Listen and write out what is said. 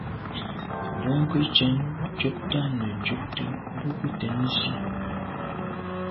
Bwɔ́ŋkə́’ cɛ̌d cúptə́ â nə̀ cúptə́ bú gə́ tɛ̌n zí.